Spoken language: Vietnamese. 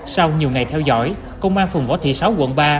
sau nhiều ngày theo dõi công an phường võ thị sáu quận ba